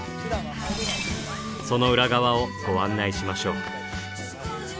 その裏側をご案内しましょう。